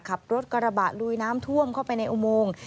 ขับรถกระบะลุยน้ำท่วมเข้าไปในอุโมง